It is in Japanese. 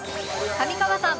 上川さん